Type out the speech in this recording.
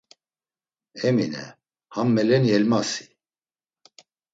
Emine, ham meleni Elmasi.